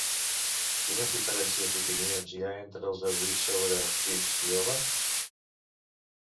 Quines diferències d'opinions hi ha entre els erudits sobre Þrymskviða?